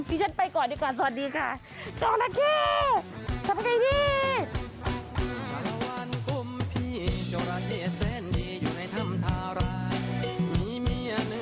เดี๋ยวฉันไปก่อนดีกว่าสวัสดีค่ะโจระแค่สวัสดีพี่